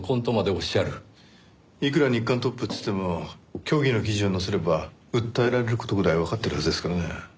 いくら日刊トップっていっても虚偽の記事を載せれば訴えられる事ぐらいわかってるはずですからね。